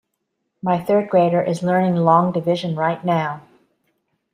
My third grader is learning long division right now.